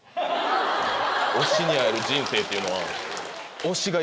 推しに会える人生っていうのは。